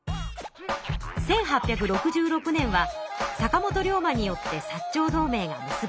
１８６６年は坂本龍馬によって薩長同盟が結ばれた年。